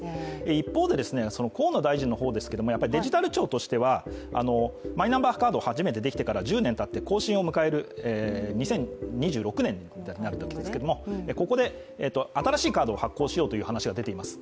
一方で、河野大臣の方ですけれどもデジタル庁としてはマイナンバーカードが初めてできてから１０年たって更新を迎える２０２６年になるわけですがここで新しいカードを発行しようという話が出ています。